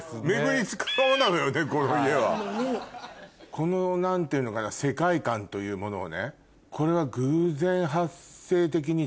この何ていうのかな世界観というものをね